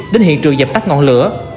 đến hiện trường dập tắt ngọn lửa